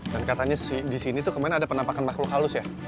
dan katanya di sini tuh kemarin ada penampakan makhluk halus ya